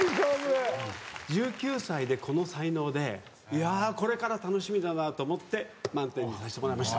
１９歳でこの才能でこれから楽しみだなと思って満点にさせてもらいました。